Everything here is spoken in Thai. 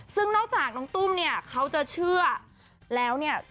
ซึ่งนอกจากน้องตุ้มเนี่ยเขาจะเชื่อแล้วเนี่ย